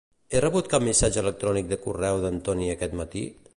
He rebut cap missatge electrònic de correu d'en Toni aquest matí?